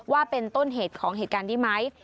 ว่าเป็นต้นเหตุของเหตุการณ์นี้ไหม